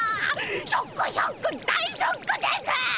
ショックショック大ショックです！